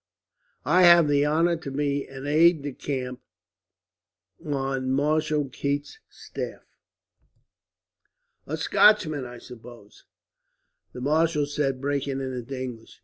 I have the honour to be an aide de camp on Marshal Keith's staff." "A Scotchman, I suppose?" the marshal said, breaking into English.